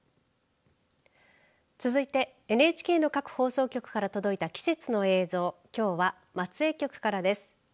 続いてＮＨＫの各放送局から届いた季節の映像きょうは松江局からです。